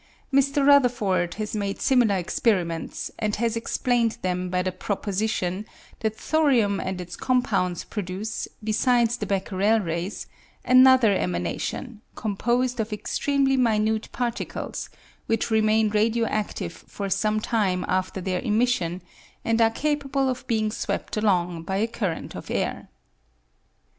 Mr. Rutherford has made similar experiments, and has explained them by the pro position that thorium and its compounds produce, besides the Becquerel rays, another emanation, composed of extremely minute particles, which remain radio adtive for some time after their emission, and are capable of being swept along by a current of air.